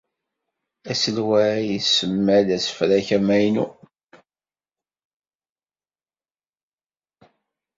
Aselway isemma-d asefrak amaynu.